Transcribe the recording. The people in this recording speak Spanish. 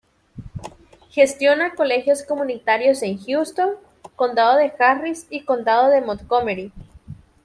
Gestiona colegios comunitarios en Houston, Condado de Harris, y Condado de Montgomery.